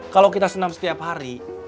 kalau kita senam setiap hari